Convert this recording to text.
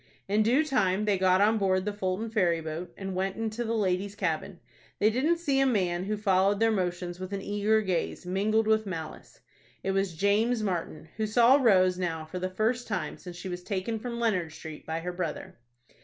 In due time they got on board the Fulton ferry boat, and went into the ladies' cabin. They didn't see a man who followed their motions with an eager gaze, mingled with malice. It was James Martin, who saw Rose now for the first time since she was taken from Leonard Street by her brother.